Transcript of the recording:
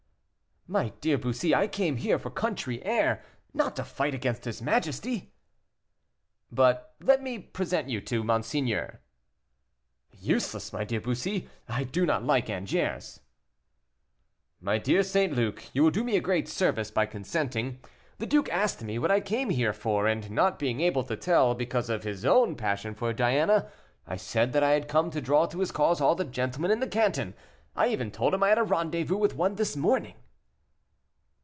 "My dear Bussy, I came here for country air, not to fight against his majesty." "But let me present you to monseigneur." "Useless, my dear Bussy, I do not like Angers." "My dear St. Luc, you will do me a great service by consenting; the duke asked me what I came here for, and, not being able to tell because of his own passion for Diana, I said that I had come to draw to his cause all the gentlemen in the Canton; I even told him I had a rendezvous with one this morning."